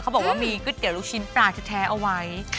บอกว่ามีก๋วยเตี๋ยวลูกชิ้นปลาแท้เอาไว้